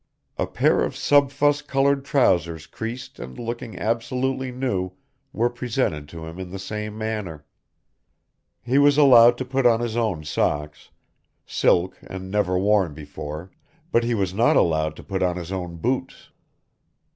A pair of subfusc coloured trousers creased and looking absolutely new were presented to him in the same manner. He was allowed to put on his own socks, silk and never worn before, but he was not allowed to put on his own boots.